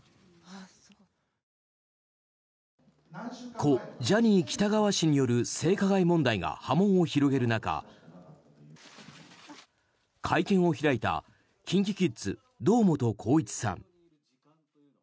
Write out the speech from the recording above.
故・ジャニー喜多川氏による性加害問題が波紋を広げる中会見を開いたＫｉｎＫｉＫｉｄｓ堂本光一さん。